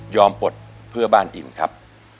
ปลดเพื่อบ้านอิ่มครับ